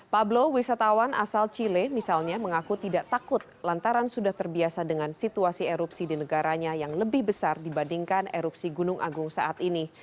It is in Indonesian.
pablo wisatawan asal chile misalnya mengaku tidak takut lantaran sudah terbiasa dengan situasi erupsi di negaranya yang lebih besar dibandingkan erupsi gunung agung saat ini